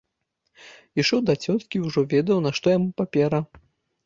Ішоў да цёткі і ўжо ведаў, нашто яму папера.